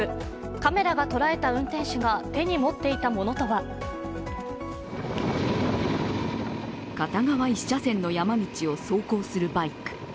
カメラが捉えた運転手が手に持っていたものとは片側１車線の山道を走行するバイク。